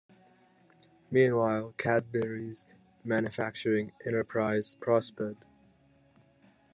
Meanwhile, Cadbury's manufacturing enterprise prospered.